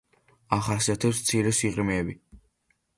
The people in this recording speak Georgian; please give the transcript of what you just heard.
ახასიათებს მცირე სიღრმეები.